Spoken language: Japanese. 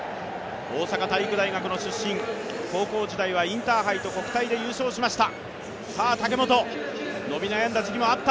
大阪体育大学の出身、高校のときはインターハイと国体で優勝しました。